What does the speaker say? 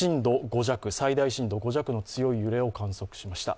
最大震度５弱の強い揺れを観測しました。